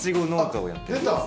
出た！